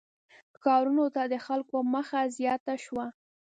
• ښارونو ته د خلکو مخه زیاته شوه.